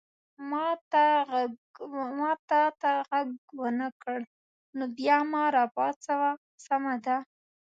ما تا ته غږ ونه کړ نو بیا ما را پاڅوه، سمه ده؟